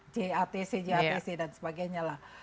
jatc jatc dan sebagainya lah